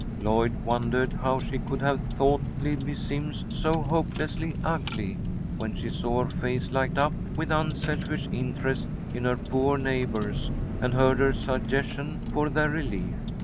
Lloyd wondered how she could have thought Libbie Simms so hopelessly ugly, when she saw her face light up with unselfish interest in her poor neighbours, and heard her suggestions for their relief.